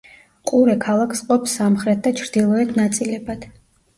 ყურე ქალაქს ყოფს სამხრეთ და ჩრდილოეთ ნაწილებად.